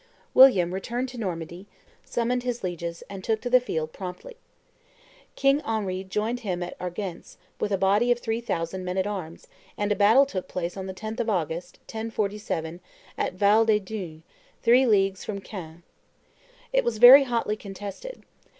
William returned to Normandy, summoned his lieges, and took the field promptly. King Henry joined him at Argence, with a body of three thousand men at arms, and a battle took place on the 10th of August, 1047, at Val des Dunes, three leagues from Caen. It was very hotly contested.